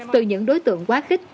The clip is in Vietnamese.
từ những đối tượng quá khích